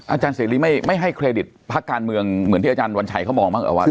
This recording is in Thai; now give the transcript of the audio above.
อาจารย์เสรีไม่ให้เครดิตพักการเมืองเหมือนที่อาจารย์วันชัยมองบ้าง